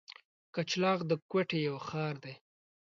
کچلاغ د کوټي یو ښار دی.